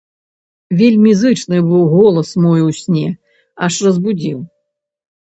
Вельмі зычны быў голас мой у сне, аж разбудзіў.